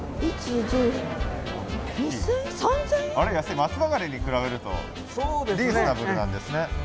松葉ガニに比べるとリーズナブルなんですね。